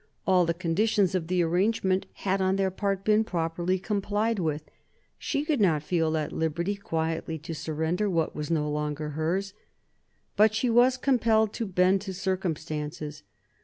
All the conditions of the arrangement had on their part been properly complied with. She could not feel at liberty quietly to surrender what was no longer hers. But she was compelled to bend to circumstances.